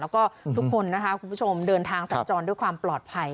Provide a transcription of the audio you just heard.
แล้วก็ทุกคนนะคะคุณผู้ชมเดินทางสัญจรด้วยความปลอดภัย